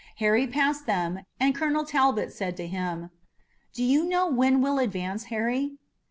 Harry passed them, and Colonel Talbot said to him: "Do you know when we'll advance, Harry?"